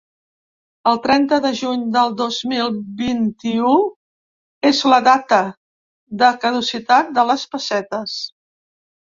El trenta de juny del dos mil vint-i-u és la data de caducitat de les pessetes.